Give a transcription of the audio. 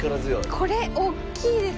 これおっきいです。